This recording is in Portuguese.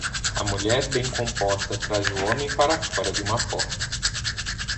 A mulher bem composta traz o homem para fora de uma porta.